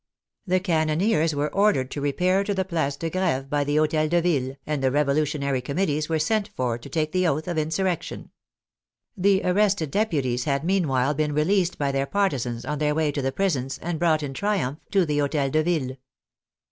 The cannoneers were ordered to repair to the Place de Greve by the Hotel de Ville, and the Revolutionary Committees were sent for to take the oath of insurrection. The ar rested deputies had meanwhile been released by their par tisans, on their way to the prisons, and brought in triumph to the Hotel de Ville.